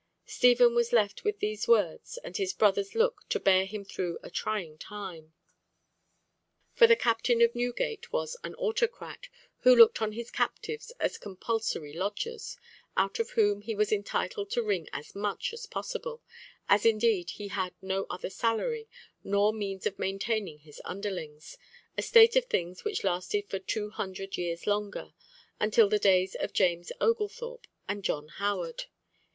Stephen was left with these words and his brother's look to bear him through a trying time. For the "Captain of Newgate" was an autocrat, who looked on his captives as compulsory lodgers, out of whom he was entitled to wring as much as possible—as indeed he had no other salary, nor means of maintaining his underlings, a state of things which lasted for two hundred years longer, until the days of James Oglethorpe and John Howard.